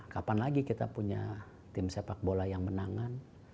kapan lagi kita punya tim sepak bola yang menangan